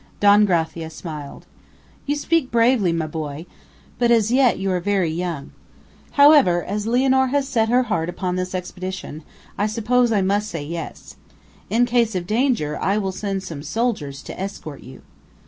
Don Gracia smiled. "You speak bravely, my boy; but as yet you are very young. However, as Lianor has set her heart upon this expedition, I suppose I must say yes. In case of danger, I will send some soldiers to escort you."